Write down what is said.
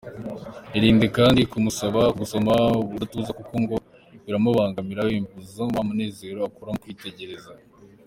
Irinde kandi kumusaba kugusoma ubudatuza kuko ngo biramubangamira bimubuza wa munezero akura mu kwitegereza.